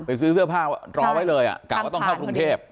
ไปซื้อเสื้อผ้าตรอไว้เลยอะกล่าวว่าต้องเข้ากรุงเทพฯ